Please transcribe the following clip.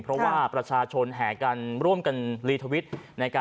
เพราะว่าประชาชนแห่กันร่วมกัน